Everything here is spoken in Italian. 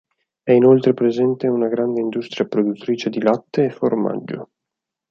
È inoltre presente una grande industria produttrice di latte e formaggio.